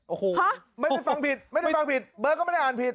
โอ้โหไม่ได้ฟังผิดไม่ได้ฟังผิดเบิร์ตก็ไม่ได้อ่านผิด